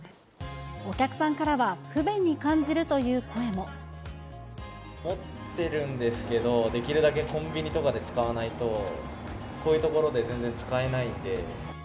お客さんからは、不便に感じ持ってるんですけど、できるだけコンビニとかで使わないと、こういう所で全然使えないんで。